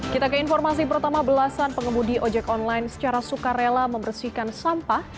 kita ke informasi pertama belasan pengemudi ojek online secara sukarela membersihkan sampah